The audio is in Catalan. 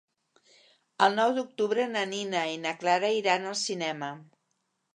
El nou d'octubre na Nina i na Clara iran al cinema.